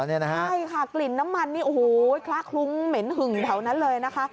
ใช่ค่ะกลิ่นน้ำมันนี่โอ้โหคละคลุ้งเหม็นหึงแถวนั้นเลยนะคะ